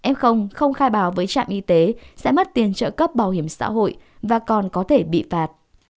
f không khai báo với trạm y tế sẽ mất tiền trợ cấp bảo hiểm xã hội và còn có thể bị phạt